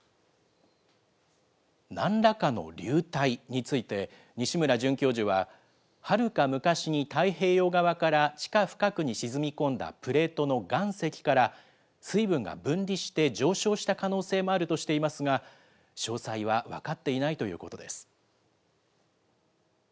なんらかの流体について、西村准教授は、はるか昔に太平洋側から地下深くに沈み込んだプレートの岩石から、水分が分離して上昇した可能性もあるとしていますが、詳細は分かっていないということです。